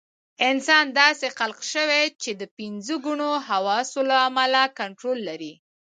انسان داسې خلق شوی چې د پنځه ګونو حواسو له امله کنټرول لري.